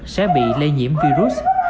sẽ bị lây nhiễm virus